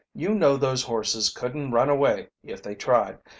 "You know those horses couldn't run away if they tried.